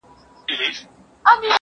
زه لیکل نه کوم!؟